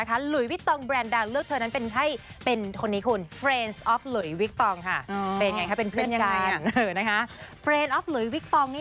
โกวินเติร์นกันให้หมดเลยนะครับสำหรับวงการบรรเทิงไทย